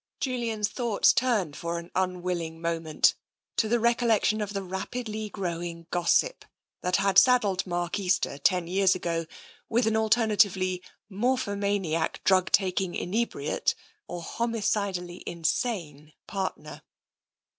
Julian's thoughts turned for an unwilling moment to the recollection of the rapidly growing gossip that had saddled Mark Easter, ten years ago, with an al ternatively morphomaniac, drug taking inebriate or homicidally insane partner.